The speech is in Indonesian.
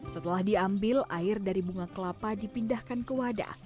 setelah diambil air dari bunga kelapa dipindahkan ke wadah